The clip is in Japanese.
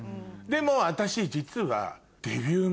でも私実は。